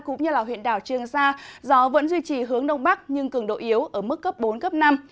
cũng như huyện đảo trường sa gió vẫn duy trì hướng đông bắc nhưng cường độ yếu ở mức cấp bốn cấp năm